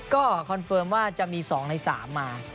ก็คอนเฟิร์มว่าจะมี๒ใน๓มา